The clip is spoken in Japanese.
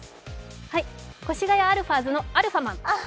越谷アルファーズのアルファマン。